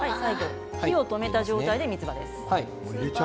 火を止めた状態でみつばです。